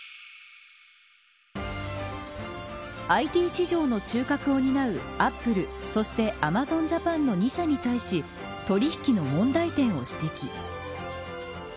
ＩＴ市場の中核を担うアップル、そしてアマゾンジャパンの２社に対し取引の問題点を指摘。